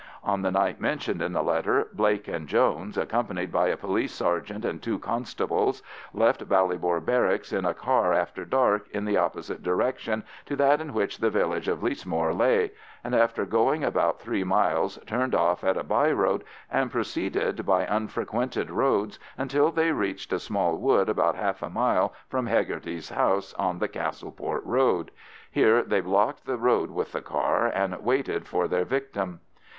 On the night mentioned in the letter, Blake and Jones, accompanied by a police sergeant and two constables, left Ballybor Barracks in a car after dark in the opposite direction to that in which the village of Lissamore lay, and after going about three miles turned off at a byroad and proceeded by unfrequented roads, until they reached a small wood about half a mile from Hegarty's house on the Castleport road; here they blocked the road with the car, and waited for their victim.